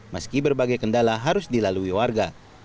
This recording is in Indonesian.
meski berbagai kendala harus dilalui warga